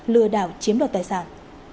lừa đảo chiếm đoạt tài sản